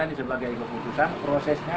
ini sebagai keputusan prosesnya